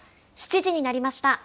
７時になりました。